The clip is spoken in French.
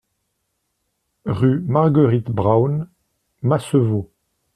Rue Marguerite Braun, Masevaux